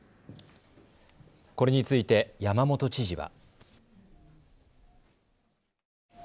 これについて山本知事は。